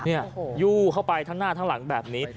นี่ยู่เข้าไปทั้งหน้าทั้งหลังแบบนี้